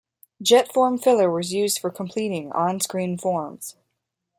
JetForm Filler was used for completing on-screen forms.